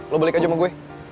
lo balik aja sama gue